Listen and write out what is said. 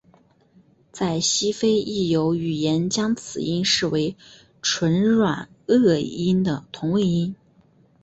在西非亦有语言将此音视为唇软腭音的同位音。